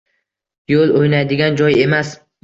Yo‘l – o‘ynaydigan joy emas.